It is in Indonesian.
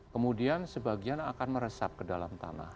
kemudian sebagian akan meresap ke dalam tanah